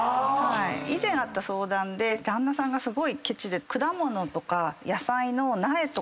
以前あった相談で旦那さんがすごいケチで果物とか。